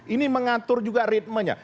ini mengatur juga ritmenya